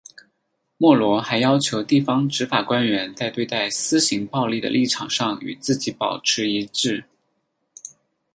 莫罗还要求地方执法官员在对待私刑暴力的立场上与自己保持一致。